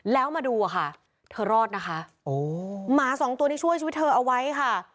แล้วมาดูอะค่ะเธอรอดนะคะหมาสองตัวที่ช่วยชีวิตเธอเอาไว้ค่ะ